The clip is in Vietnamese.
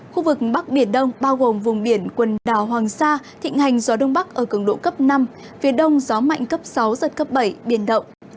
khu vực bắc biển đông bao gồm vùng biển quần đảo hoàng sa thịnh hành gió đông bắc ở cường độ cấp năm phía đông gió mạnh cấp sáu giật cấp bảy biển động